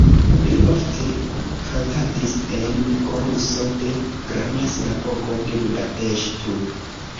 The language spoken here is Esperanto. Li ofte kantadis en koruso de Granda Sinagogo de Budapeŝto.